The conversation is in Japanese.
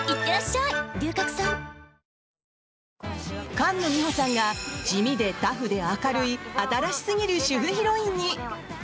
菅野美穂さんが地味でタフで明るい新しすぎる主婦ヒロインに。